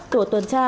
tổ tuần tra